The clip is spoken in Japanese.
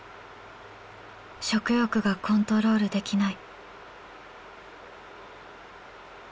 食欲がコントロールできない。